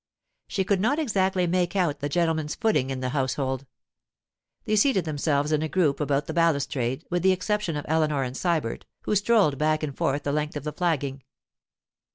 She could not exactly make out the gentleman's footing in the household. They seated themselves in a group about the balustrade, with the exception of Eleanor and Sybert, who strolled back and forth the length of the flagging.